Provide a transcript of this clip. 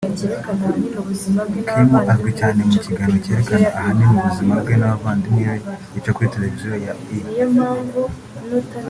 Kim azwi cyane mu kiganiro cyerekana ahanini ubuzima bwe n’abavandimwe be gica kuri televisiyo ya E